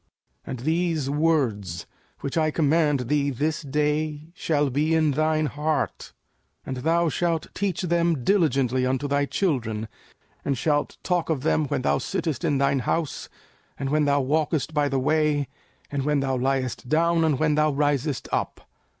05:006:006 And these words, which I command thee this day, shall be in thine heart: 05:006:007 And thou shalt teach them diligently unto thy children, and shalt talk of them when thou sittest in thine house, and when thou walkest by the way, and when thou liest down, and when thou risest up.